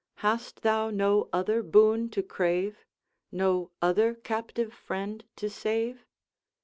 Hast thou no other boon to crave? No other captive friend to save?'